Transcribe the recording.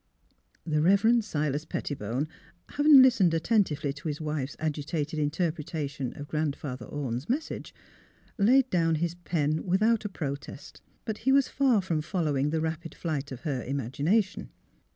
... The Eeverend Silas Pettibone, having listened attentively to his wife's agitated interpretation of Grandfather Orne's message, laid down his pen without a iDrotest. But he was far from following the rapid flight of her imagination.